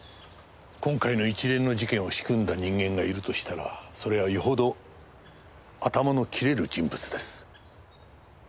今回の一連の事件を仕組んだ人間がいるとしたらそれはよほど頭の切れる人物です。